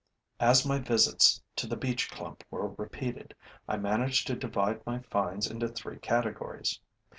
As my visits to the beech clump were repeated, I managed to divide my finds into three categories.